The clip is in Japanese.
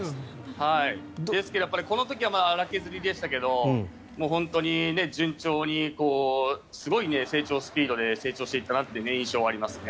ですが、この時は粗削りでしたけど本当に順調にすごい成長スピードで成長していったなという印象がありますね。